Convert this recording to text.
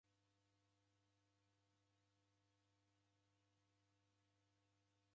W'edekwana njumonyi na w'ikalow'uana.